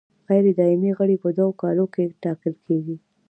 غیر دایمي غړي په دوو کالو کې ټاکل کیږي.